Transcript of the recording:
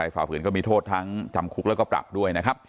ฝ่าฝืนก็มีโทษทั้งจำคุกแล้วก็ปรับด้วยนะครับ